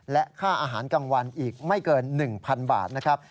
และค่าอาหารกลางวันอีกไม่เกิน๑๐๐๐บาทนะครับ